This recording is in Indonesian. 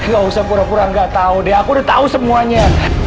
gak usah pura pura gak tau deh aku udah tau semuanya